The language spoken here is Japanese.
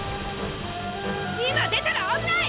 今出たら危ない！